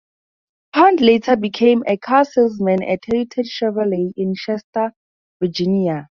Pond later became a car salesman at Heritage Chevrolet in Chester, Virginia.